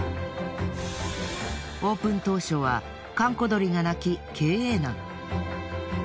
オープン当初は閑古鳥が鳴き経営難。